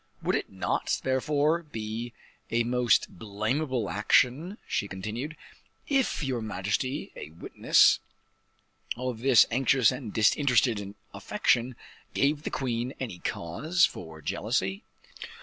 "Would it not, therefore, be a most blamable action," she continued, "if your majesty, a witness of this anxious and disinterested affection, gave the queen any cause for jealousy?